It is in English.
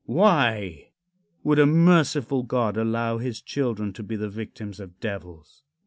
Why would a merciful God allow his children to be the victims of devils?